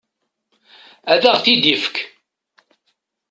Ad aɣ-t-id-ifek.